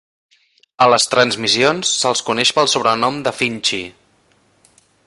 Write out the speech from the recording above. A les transmissions se'l coneix pel sobrenom de "Finchy".